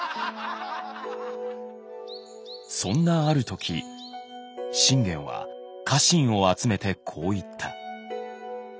そんなある時信玄は家臣を集めてこう言った。